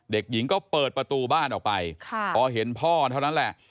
เด็กหญิงก็เปิดประตูบ้านออกไปพอเห็นพ่อเท่านั้นแหละ